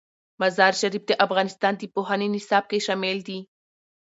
مزارشریف د افغانستان د پوهنې نصاب کې شامل دي.